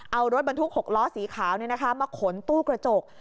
เอารถบรรทุก๖ล้อสีขาวมาขนตู้กระจก